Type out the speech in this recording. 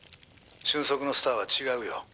俊足のスターは違うよ」